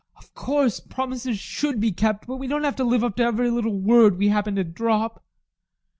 Of course, promises should be kept, but we don't have to live up to every little word we happen to drop.